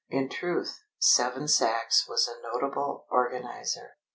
In truth Seven Sachs was a notable organiser.